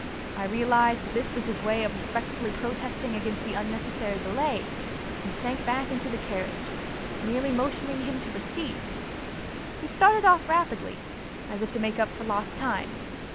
I realized that this was his way of respectfully protesting against the unnecessary delay and sank back in the carriage, merely motioning him to proceed. He started off rapidly, as if to make up for lost time.